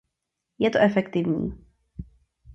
Je to efektivní.